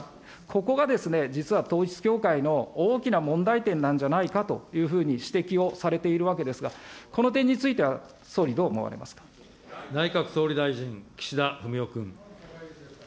ここがですね、実は統一教会の大きな問題点なんじゃないかというふうに指摘をされているわけですが、この点については総理、内閣総理大臣、岸田文雄君。